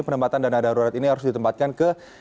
penempatan dana darurat ini harus ditempatkan ke